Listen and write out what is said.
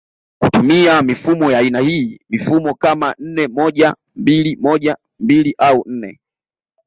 kutumia mifumo ya aina hii mifumo kama nne moja mbili moja mbili au nne